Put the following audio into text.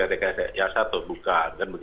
apakah ini bentuk rekayasa atau bukan